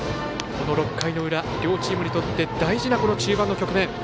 この６回の裏両チームにとって大事な中盤の局面。